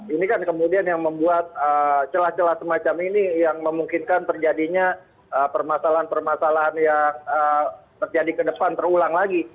ini kan kemudian yang membuat celah celah semacam ini yang memungkinkan terjadinya permasalahan permasalahan yang terjadi ke depan terulang lagi